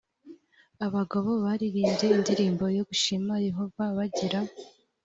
abagabo baririmbye indirimbo yo gushimira yehova bagira